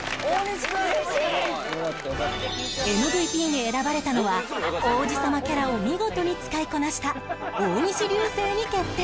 ＭＶＰ に選ばれたのは王子様キャラを見事に使いこなした大西流星に決定！